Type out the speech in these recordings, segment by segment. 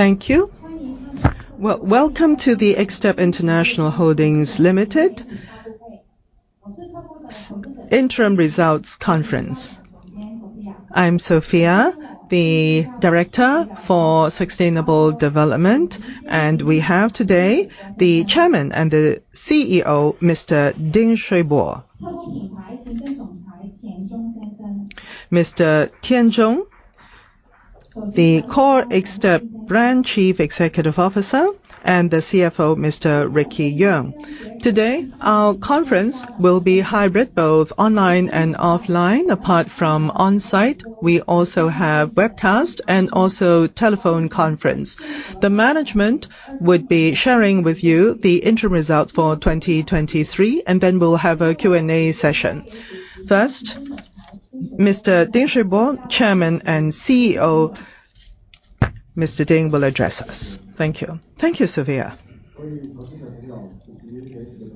Thank you. Welcome to the Xtep International Holdings Limited Interim Results Conference. I'm Sophia, the Director for Sustainable Development, and we have today the Chairman and the CEO, Mr. Ding Shui Po. Mr. Tian Zhong, the Core Xtep Brand Chief Executive Officer, and the CFO, Mr. Ricky Yeung. Today, our conference will be hybrid, both online and offline. Apart from on-site, we also have webcast and also telephone conference. The management would be sharing with you the interim results for 2023, and then we'll have a Q&A session. First, Mr. Ding Shui Po, Chairman and CEO. Mr. Ding will address us. Thank you. Thank you, Sophia.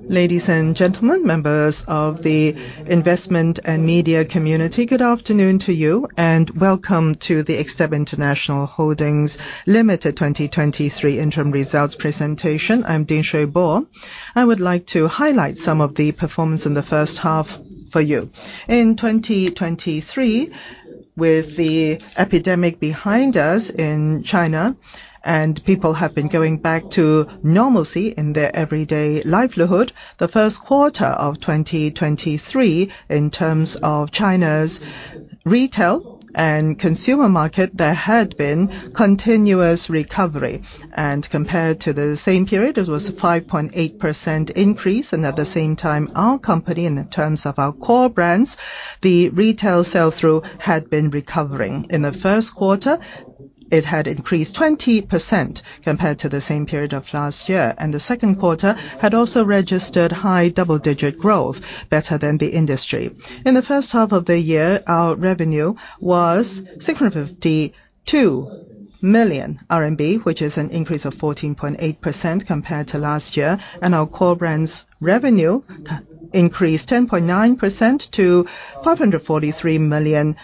Ladies and gentlemen, members of the investment and media community, good afternoon to you, and welcome to the Xtep International Holdings Limited 2023 interim results presentation. I'm Ding Shui Po. I would like to highlight some of the performance in the first half for you. In 2023, with the epidemic behind us in China, people have been going back to normalcy in their everyday livelihood, the first quarter of 2023, in terms of China's retail and consumer market, there had been continuous recovery. Compared to the same period, it was a 5.8% increase. At the same time, our company, in terms of our core brands, the retail sell-through had been recovering. In the first quarter, it had increased 20% compared to the same period of last year. The second quarter had also registered high double-digit growth, better than the industry. In the first half of the year, our revenue was 652 million RMB, which is an increase of 14.8% compared to last year. Our core brands revenue increased 10.9% to 543 million RMB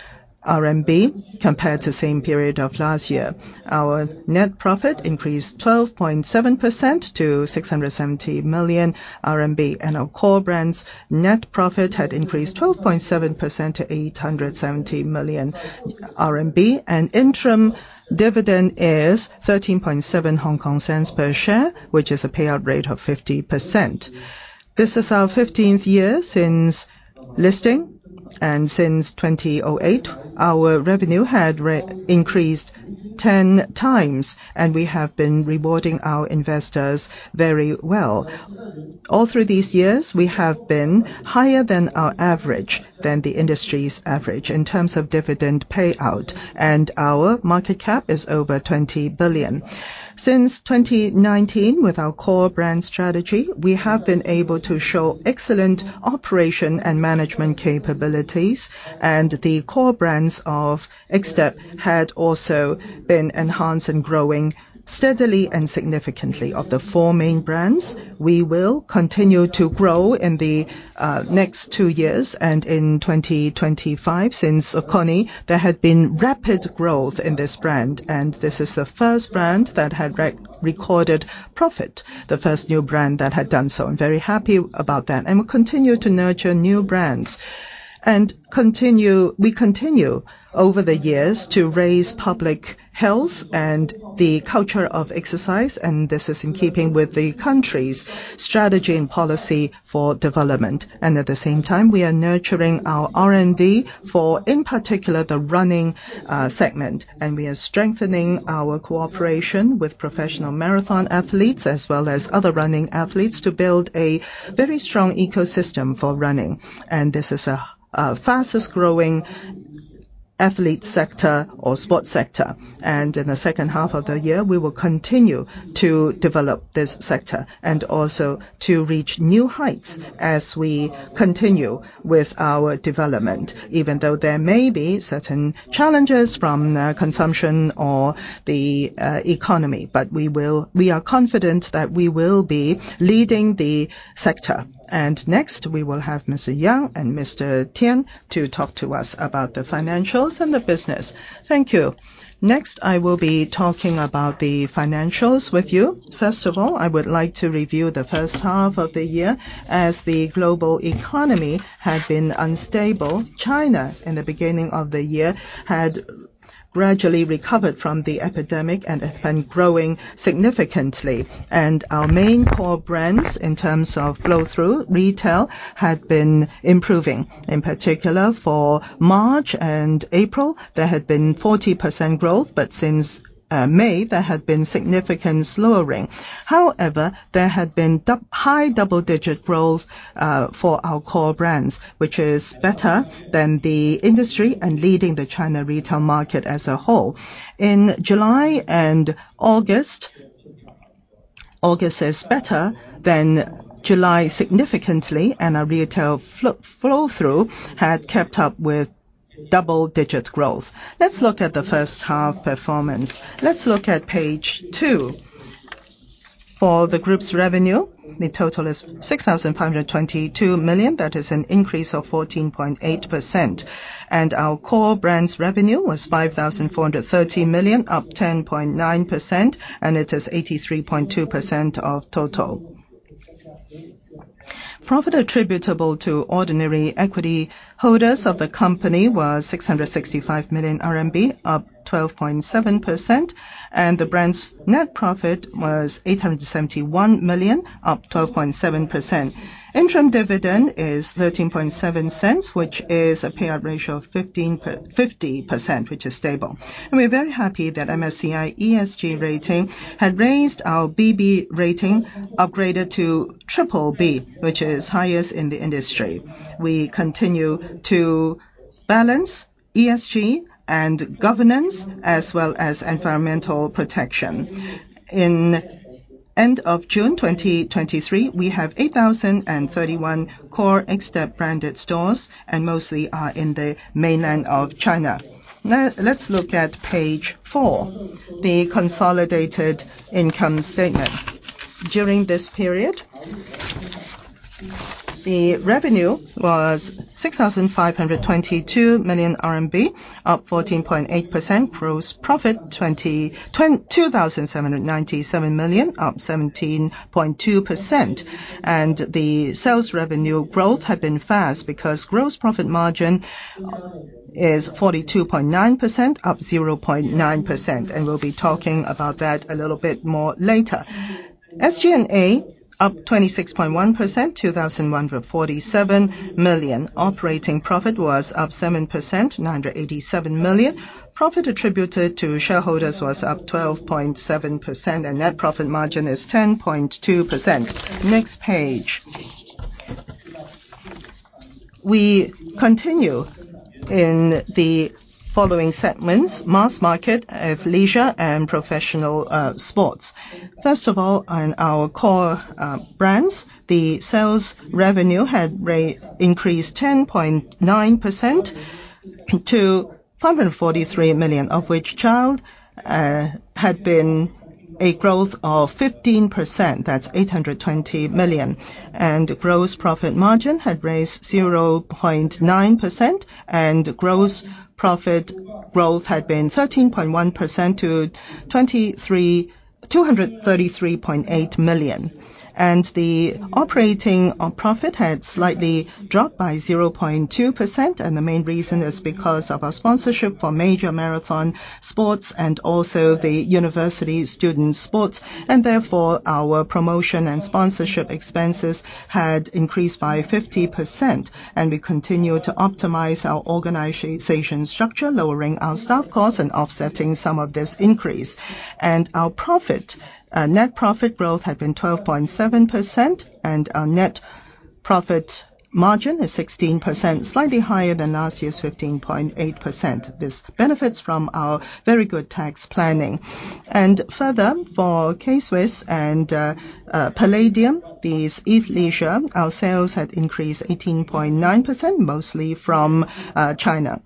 compared to same period of last year. Our net profit increased 12.7% to 670 million RMB. Our core brand's net profit had increased 12.7% to 870 million RMB. Interim dividend is 0.137 per share, which is a payout rate of 50%. This is our 15th year since listing. Since 2008, our revenue had increased 10 times. We have been rewarding our investors very well. All through these years, we have been higher than our average, than the industry's average, in terms of dividend payout. Our market cap is over 20 billion. Since 2019, with our core brand strategy, we have been able to show excellent operation and management capabilities, and the core brands of Xtep had also been enhanced and growing steadily and significantly. Of the four main brands, we will continue to grow in the next two years and in 2025. Since Saucony, there had been rapid growth in this brand, and this is the first brand that had recorded profit, the first new brand that had done so. I'm very happy about that, and we'll continue to nurture new brands. We continue, over the years, to raise public health and the culture of exercise, and this is in keeping with the country's strategy and policy for development. At the same time, we are nurturing our R&D for, in particular, the running segment, and we are strengthening our cooperation with professional marathon athletes as well as other running athletes to build a very strong ecosystem for running. This is a, a fastest-growing athlete sector or sports sector. In the second half of the year, we will continue to develop this sector, and also to reach new heights as we continue with our development, even though there may be certain challenges from consumption or the economy. We will. We are confident that we will be leading the sector. Next, we will have Mr. Yang and Mr. Tian to talk to us about the financials and the business. Thank you. Next, I will be talking about the financials with you. First of all, I would like to review the first half of the year. As the global economy had been unstable, China, in the beginning of the year, had gradually recovered from the epidemic and has been growing significantly. Our main core brands, in terms of flow through, retail, had been improving. In particular, for March and April, there had been 40% growth, but since May, there had been significant slowing. However, there had been high double-digit growth for our core brands, which is better than the industry and leading the China retail market as a whole. In July and August, August is better than July significantly, and our retail flow through had kept up with double-digit growth. Let's look at the first half performance. Let's look at page two. For the group's revenue, the total is 6,522 million. That is an increase of 14.8%. Our core brands revenue was 5,430 million, up 10.9%, and it is 83.2% of total. Profit attributable to ordinary equity holders of the company was 665 million RMB, up 12.7%. The brand's net profit was 871 million, up 12.7%. Interim dividend is 13.7 Hong Kong cents, which is a payout ratio of 50%, which is stable. We're very happy that MSCI ESG rating had raised our BB rating, upgraded to BBB, which is highest in the industry. We continue to balance ESG and governance as well as environmental protection. In end of June 2023, we have 8,031 core Xtep branded stores, mostly are in the mainland of China. Now, let's look at page four, the consolidated income statement. During this period, the revenue was 6,522 million RMB, up 14.8%. Gross profit, 2,797 million, up 17.2%. The sales revenue growth had been fast because gross profit margin is 42.9%, up 0.9%, we'll be talking about that a little bit more later. SG&A, up 26.1%, RMB 2,147 million. Operating profit was up 7%, RMB 987 million. Profit attributed to shareholders was up 12.7%, net profit margin is 10.2%. Next page. We continue in the following segments, Mass Market, Athleisure, The operating profit had slightly dropped by 0.2%, and the main reason is because of our sponsorship for major marathon sports and also the university student sports. Therefore, our promotion and sponsorship expenses had increased by 50%. We continue to optimize our organization structure, lowering our staff costs and offsetting some of this increase. Our profit, net profit growth had been 12.7%, and our net profit margin is 16%, slightly higher than last year's 15.8%. This benefits from our very good tax planning. Further, for K-Swiss and Palladium, these athleisure, our sales had increased 18.9%, mostly from China.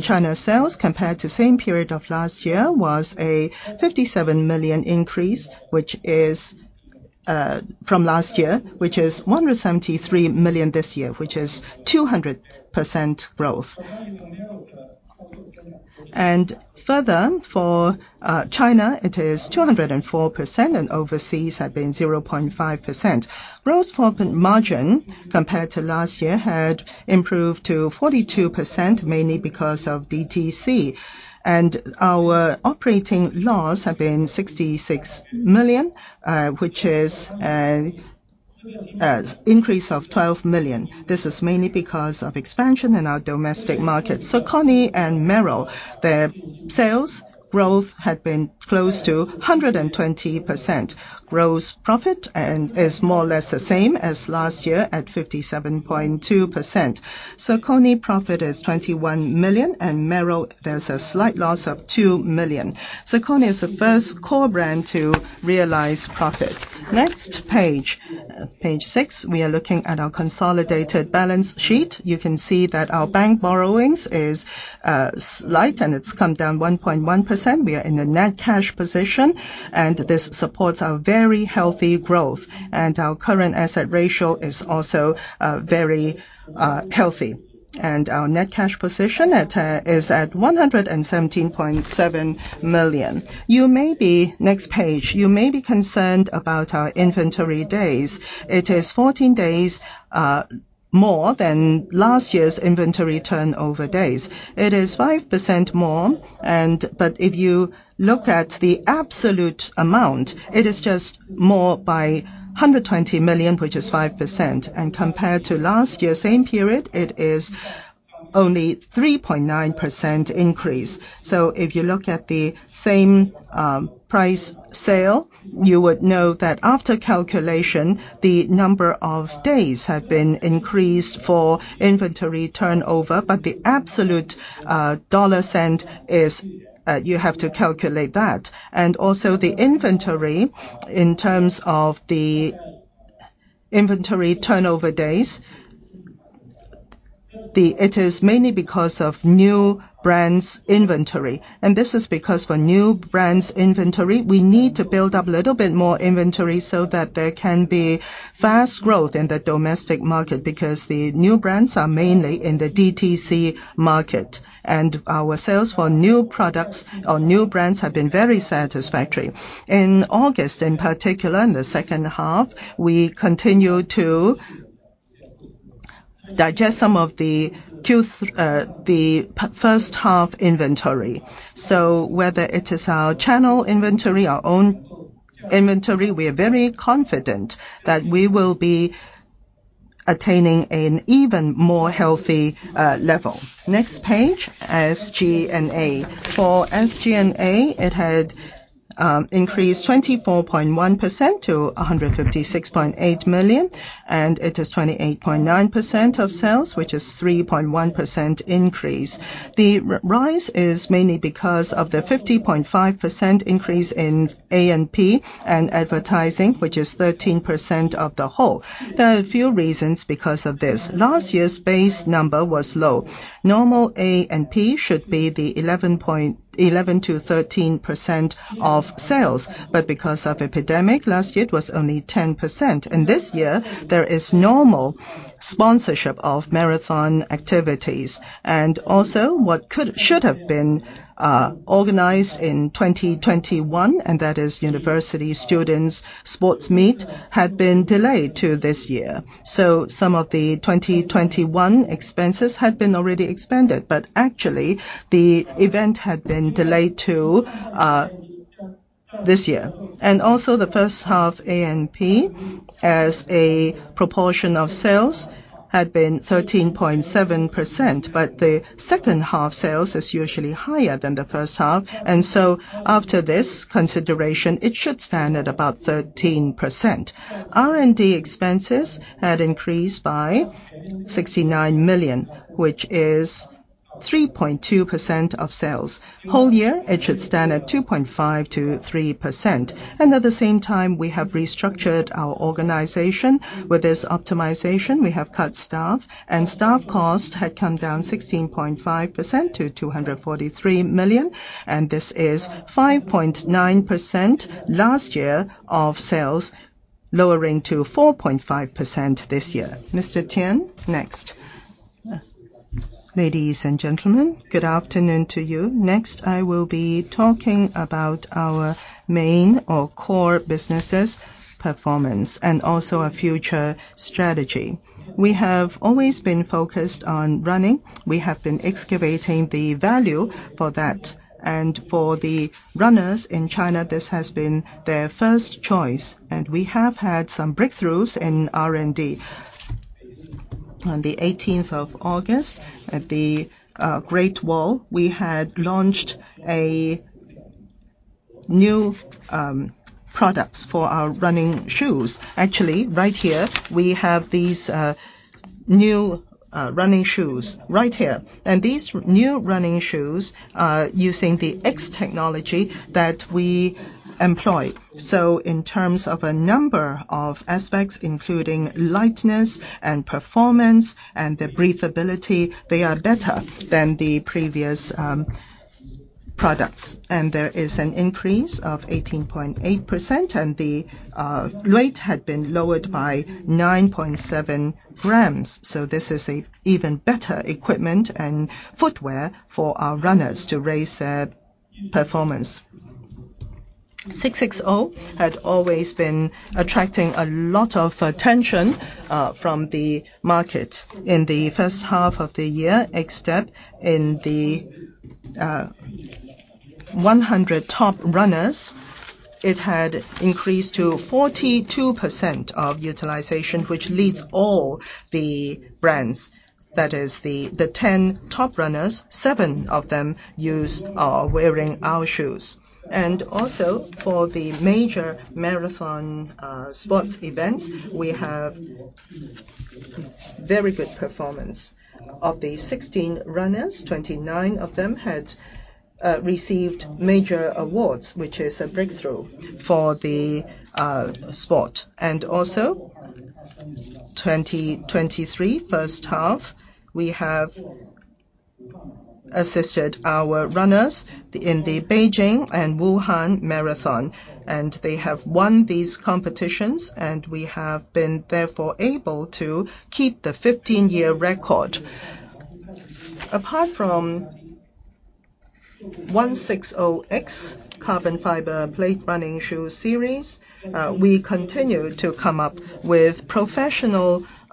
China sales, compared to same period of last year, was a 57 million increase, which is from last year, which is 173 million this year, which is 200% growth. Further, for China, it is 204%, and overseas have been 0.5%. Gross profit margin, compared to last year, had improved to 42%, mainly because of DTC. Our operating loss had been 66 million, which is increase of 12 million. This is mainly because of expansion in our domestic markets. Saucony and Merrell, their sales growth had been close to 120%. Gross profit is more or less the same as last year, at 57.2%. Saucony profit is 21 million, and Merrell, there's a slight loss of 2 million. Saucony is the first core brand to realize profit. Next page, page six. We are looking at our consolidated balance sheet. You can see that our bank borrowings is slight, and it's come down 1.1%. We are in a net cash position, and this supports our very healthy growth. Our current asset ratio is also very healthy. Our net cash position at is at 117.7 million. You may be. Next page. You may be concerned about our inventory days. It is 14 days more than last year's inventory turnover days. It is 5% more, but if you look at the absolute amount, it is just more by 120 million, which is 5%. Compared to last year, same period, it is only 3.9% increase. If you look at the same price sale, you would know that after calculation, the number of days have been increased for inventory turnover, but the absolute dollar sent is, you have to calculate that. Also, the inventory, in terms of the inventory turnover days, it is mainly because of new brands inventory. This is because for new brands inventory, we need to build up a little bit more inventory so that there can be fast growth in the domestic market. The new brands are mainly in the DTC market, and our sales for new products or new brands have been very satisfactory. In August, in particular, in the second half, we continued to digest some of the first half inventory. Whether it is our channel inventory, our own inventory, we are very confident that we will be attaining an even more healthy level. Next page, SG&A. For SG&A, it had increased 24.1% to 156.8 million, and it is 28.9% of sales, which is 3.1% increase. The rise is mainly because of the 50.5% increase in A&P and advertising, which is 13% of the whole. There are a few reasons because of this. Last year's base number was low. Normal A&P should be the 11%-13% of sales, but because of epidemic, last year it was only 10%. This year, there is normal sponsorship of marathon activities. Also what should have been organized in 2021, and that is university students sports meet, had been delayed to this year. Some of the 2021 expenses had been already expended, but actually, the event had been delayed to this year. Also the first half A&P, as a proportion of sales, had been 13.7%, but the second half sales is usually higher than the first half, and so after this consideration, it should stand at about 13%. R&D expenses had increased by 69 million, which is 3.2% of sales. Whole year, it should stand at 2.5%-3%. At the same time, we have restructured our organization. With this optimization, we have cut staff, and staff cost had come down 16.5% to 243 million, and this is 5.9% last year of sales, lowering to 4.5% this year. Mr. Tian, next. Ladies and gentlemen, good afternoon to you. Next, I will be talking about our main or core businesses' performance, and also our future strategy. We have always been focused on running. We have been excavating the value for that. For the runners in China, this has been their first choice, and we have had some breakthroughs in R&D. On the 18th of August, at the Great Wall, we had launched new products for our running shoes. Actually, right here, we have these new running shoes right here. These new running shoes are using the X technology that we employ. In terms of a number of aspects, including lightness and performance and the breathability, they are better than the previous products. There is an increase of 18.8%, and the weight had been lowered by 9.7 grams. This is a even better equipment and footwear for our runners to raise their performance. 160X had always been attracting a lot of attention from the market. In the first half of the year, Xtep, in the 100 top runners, it had increased to 42% of utilization, which leads all the brands. That is, the 10 top runners, 7 of them use, are wearing our shoes. Also, for the major marathon sports events, we have very good performance. Of the 60 runners, 29 of them had received major awards, which is a breakthrough for the sport. 2023, first half, we have assisted our runners in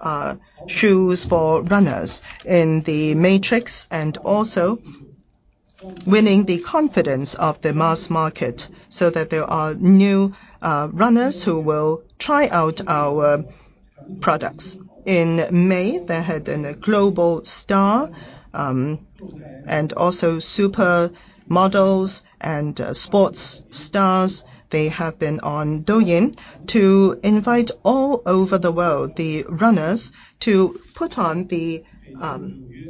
the Beijing and Wuhan Marathon, and they have won these competitions, and we have been therefore able to keep the 15-year record. Apart from 160X carbon fiber plate running shoe series, we continue to come up with professional shoes for runners in the matrix, and also winning the confidence of the Mass Market, so that there are new runners who will try out our products. In May, they had a global star, and also supermodels and sports stars. They have been on Douyin to invite all over the world, the runners, to put on the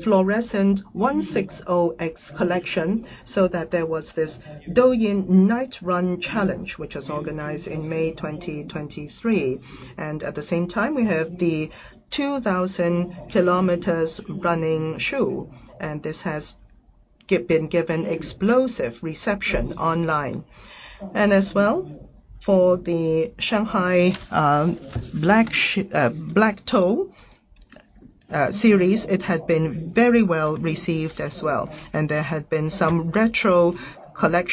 Fluorescent 160X collection, so that there was this Douyin Night Run Challenge, which was organized in May 2023. At the same time, we have the 2,000 KM running shoe, and this has been given explosive reception online. As well, for the Shanghai Black Toes series, it had been very well received as well, and there had been some retro collections as well. This is recalling the university days, student days of the runners, so that they continue to strive for the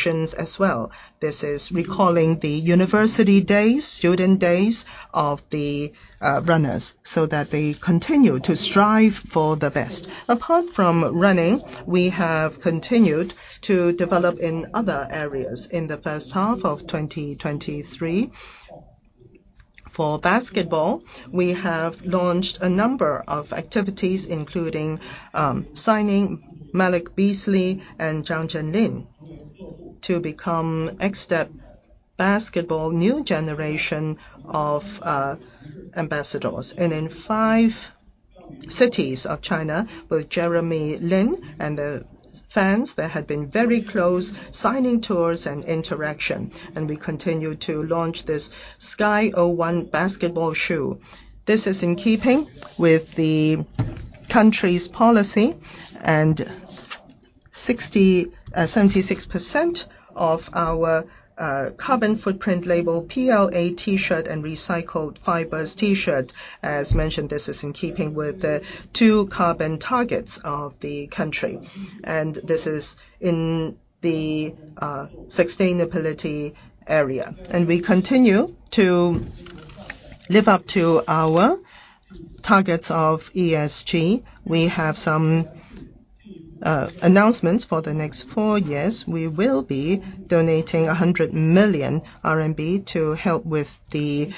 best. Apart from running, we have continued to develop in other areas in the first half of 2023. For basketball, we have launched a number of activities, including signing Malik Beasley and Zhang Zhenlin to become Xtep basketball new generation of ambassadors. In five cities of China, with Jeremy Lin and the fans, there had been very close signing tours and interaction, and we continue to launch this SKY01 basketball shoe. This is in keeping with the country's policy, 76% of our carbon footprint label, PLA T-shirt and recycled fibers T-shirt, as mentioned, this is in keeping with the dual-carbon goals of the country, and this is in the sustainability area. We continue to live up to our targets of ESG. We have some announcements. For the next four years, we will be donating 100 million RMB to help with the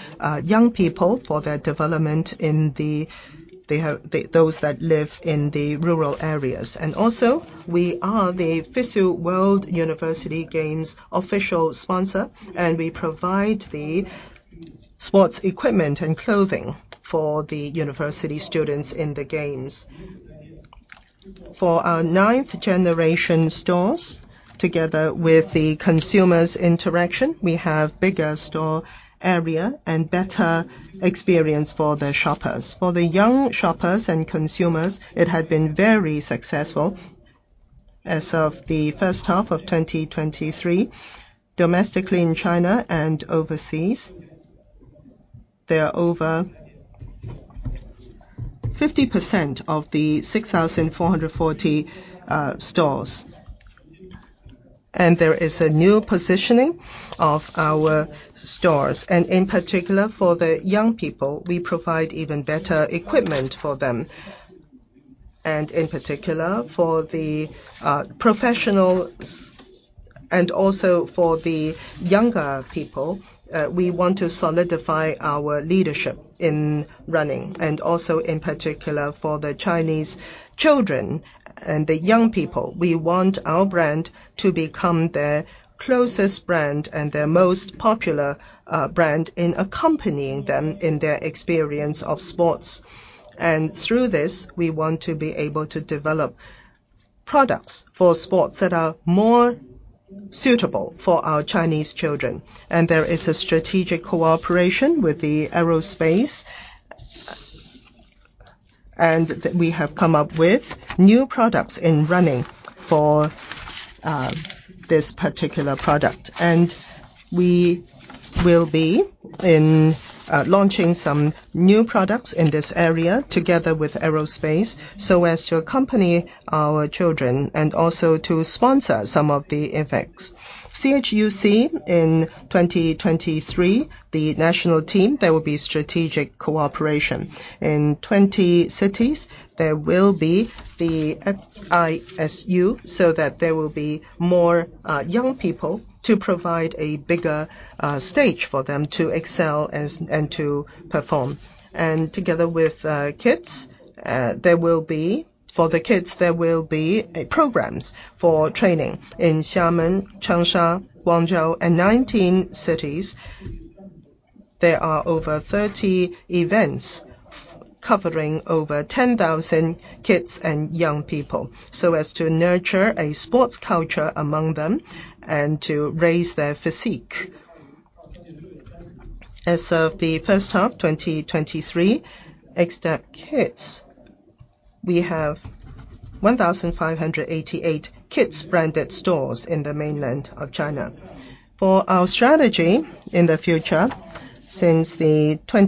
young people for their development in the, they have, the, those that live in the rural areas. Also, we are the FISU World University Games official sponsor, and we provide the sports equipment and clothing for the university students in the games. For our ninth generation stores, together with the consumer's interaction, we have bigger store area and better experience for the shoppers. For the young shoppers and consumers, it had been very successful as of the first half of 2023. Domestically in China and overseas, there are over 50% of the 6,440 stores, and there is a new positioning of our stores. In particular, for the young people, we provide even better equipment for them. In particular, for the professionals and also for the younger people, we want to solidify our leadership in running. Also in particular for the Chinese children and the young people, we want our brand to become their closest brand and their most popular brand in accompanying them in their experience of sports. Through this, we want to be able to develop products for sports that are more suitable for our Chinese children. There is a strategic cooperation with the aerospace. We have come up with new products in running for this particular product. We will be in launching some new products in this area together with aerospace, so as to accompany our children and also to sponsor some of the effects. CHUC in 2023, the national team, there will be strategic cooperation. In 20 cities, there will be the ISF, so that there will be more young people to provide a bigger stage for them to excel as, and to perform. Together with kids, there will be... For the kids, there will be a programs for training. In Xiamen, Changsha, Guangzhou and 19 cities, there are over 30 events see that DTC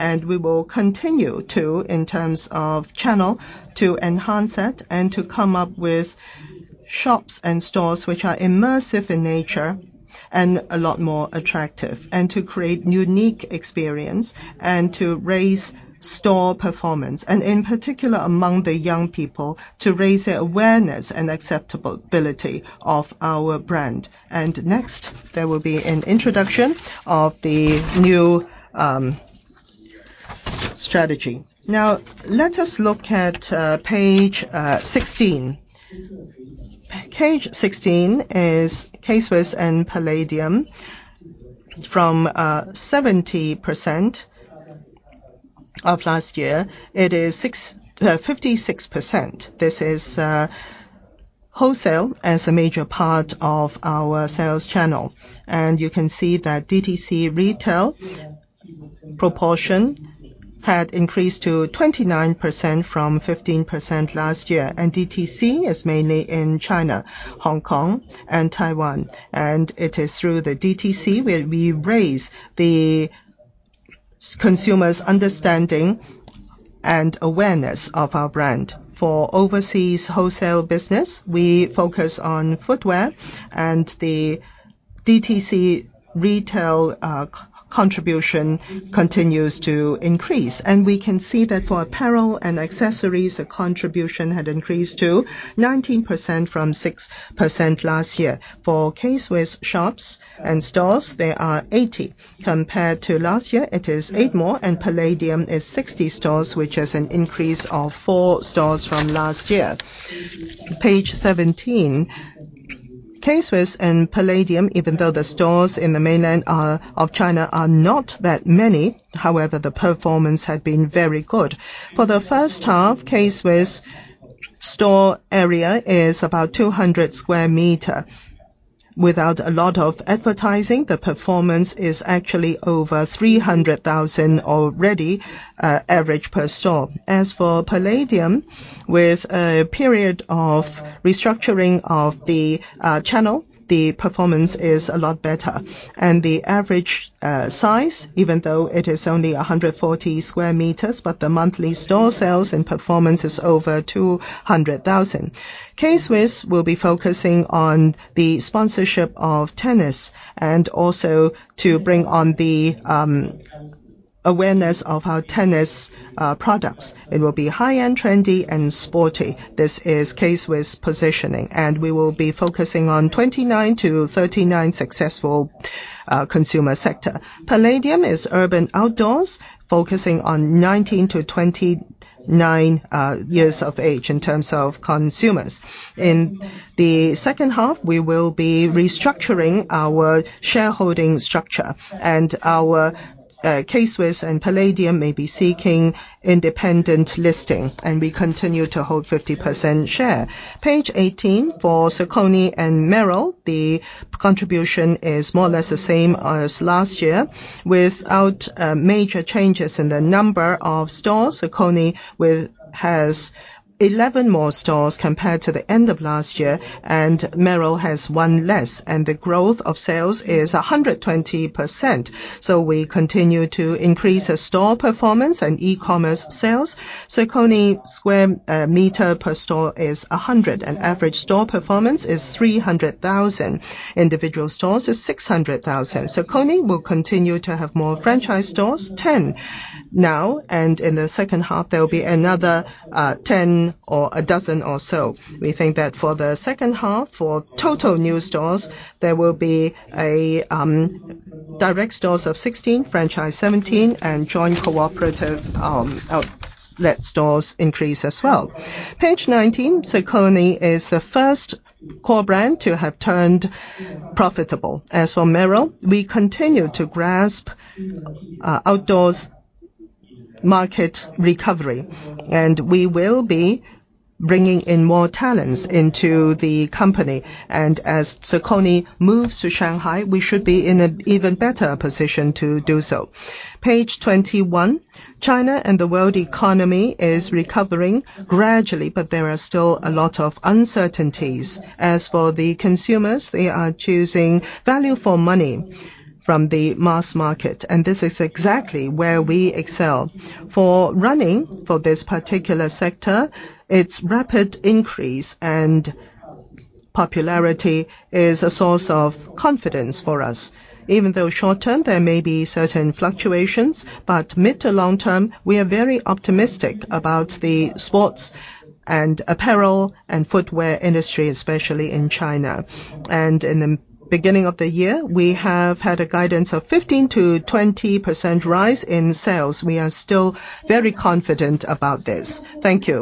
retail proportion had increased to 29% from 15% last year, DTC is mainly in China, Hong Kong, and Taiwan. It is through the DTC where we raise the consumer's understanding and awareness of our brand. For overseas wholesale business, we focus on footwear, and the DTC retail contribution continues to increase. We can see that for apparel and accessories, the contribution had increased to 19% from 6% last year. For K-Swiss shops and stores, there are 80. Compared to last year, it is eight more, and Palladium is 60 stores, which is an increase of four stores from last year. Page 17. K-Swiss and Palladium, even though the stores in the mainland are, of China, are not that many, however, the performance had been very good. For the first half, K-Swiss store area is about 200 square meters. Without a lot of advertising, the performance is actually over 300,000 already, average per store. As for Palladium, with a period of restructuring of the channel, the performance is a lot better. The average size, even though it is only 140 square meters, but the monthly store sales and performance is over 200,000. K-Swiss will be focusing on the sponsorship of tennis, and also to bring on the awareness of our tennis products. It will be high-end, trendy, and sporty. This is K-Swiss positioning, and we will be focusing on 29-39 successful consumer sector. Palladium is urban outdoors, focusing on 19 to 29 years of age in terms of consumers. In the second half, we will be restructuring our shareholding structure, and our K-Swiss and Palladium may be seeking independent listing, and we continue to hold 50% share. Page 18, for Saucony and Merrell, the contribution is more or less the same as last year. Without major changes in the number of stores, Saucony with, has 11 more stores compared to the end of last year, and Merrell has 1 less, and the growth of sales is 120%. We continue to increase the store performance and e-commerce sales. Saucony square meter per store is 100, and average store performance is 300,000. Individual stores is 600,000. Saucony will continue to have more franchise stores, 10 now, and in the second half, there will be another 10 or a dozen or so. We think that for the second half, for total new stores, there will be a direct stores of 16, franchise 17, and joint cooperative outlet stores increase as well. Page 19. Saucony is the first core brand to have turned profitable. As for Merrell, we continue to grasp outdoors market recovery, and we will be bringing in more talents into the company. As Saucony moves to Shanghai, we should be in an even better position to do so. Page 21. China and the world economy is recovering gradually, but there are still a lot of uncertainties. As for the consumers, they are choosing value for money from the Mass Market, and this is exactly where we excel. For running, for this particular sector, its rapid increase and popularity is a source of confidence for us. Even though short-term, there may be certain fluctuations, mid to long term, we are very optimistic about the sports and apparel and footwear industry, especially in China. In the beginning of the year, we have had a guidance of 15%-20% rise in sales. We are still very confident about this. Thank you.